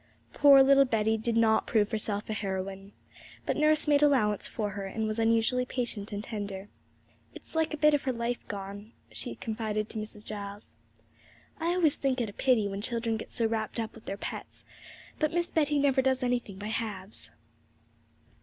Poor little Betty did not prove herself a heroine; but nurse made allowance for her, and was unusually patient and tender. 'It's like a bit of her life gone,' she confided to Mrs. Giles. 'I always think it a pity when children get so wrapped up with their pets, but Miss Betty never does anything by halves.'